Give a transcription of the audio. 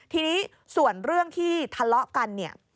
ทีนี้ส่วนเรื่องที่ทะเลาะกันเนี่ย